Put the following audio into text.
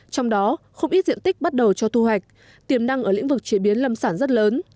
trong đó không ít diện tích bắt đầu cho thu hoạch tiềm năng ở lĩnh vực chế biến lâm sản rất lớn